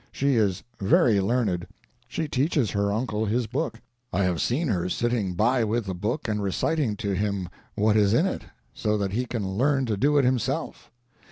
She is very learned. She teaches her uncle his book. I have seen her sitting by with the book and reciting to him what is in it, so that he can learn to do it himself.